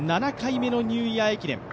７回目のニューイヤー駅伝。